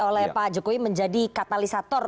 oleh pak jokowi menjadi katalisator